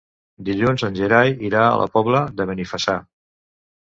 Dilluns en Gerai irà a la Pobla de Benifassà.